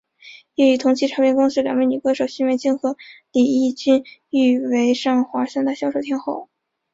也与同期唱片公司两位女歌手许美静和李翊君誉为上华三大销售天后。